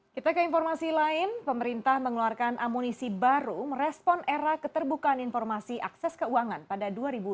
kita ke informasi lain pemerintah mengeluarkan amunisi baru merespon era keterbukaan informasi akses keuangan pada dua ribu dua puluh